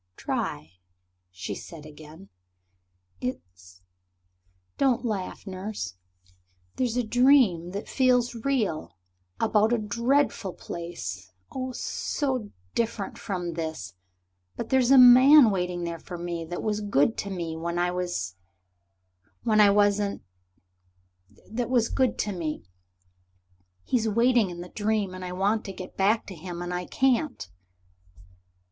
"Try," she said again. "It's ... don't laugh, Nurse. There's a dream that feels real about a dreadful place oh, so different from this. But there's a man waiting there for me that was good to me when I was when I wasn't ... that was good to me; he's waiting in the dream and I want to get back to him. And I can't."